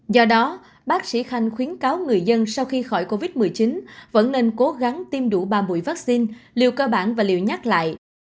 do đó bác sĩ khanh khuyến cáo người dân sau khi khỏi covid một mươi chín vẫn nên cố gắng tiêm đủ ba mũi vaccine liệu cơ bản và liệu nhắc lại